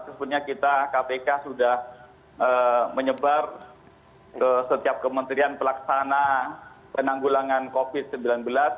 sebenarnya kita kpk sudah menyebar ke setiap kementerian pelaksana penanggulangan covid sembilan belas